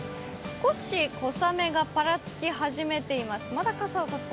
少し小雨がぱらつき始めています。